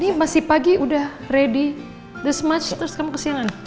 ini masih pagi udah ready this much terus kamu kesiangan